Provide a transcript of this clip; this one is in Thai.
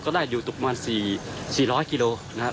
ก็ได้อยู่ประมาณ๔๐๐กิโลกรัม